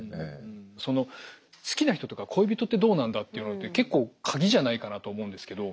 その好きな人とか恋人ってどうなんだっていうのって結構鍵じゃないかなと思うんですけど。